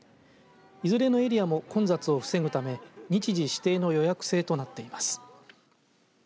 いずれのエリアも混雑を防ぐため日時指定の予約制となっています。